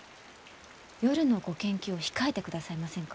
夜のご研究を控えてくださいませんか？